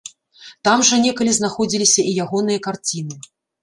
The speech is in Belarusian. Там жа некалі знаходзіліся і ягоныя карціны.